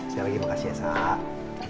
sekali lagi makasih ya sahab